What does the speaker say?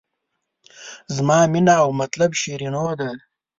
زما مینه او مطلب شیرینو ده.